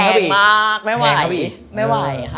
แพงมากไม่ไหว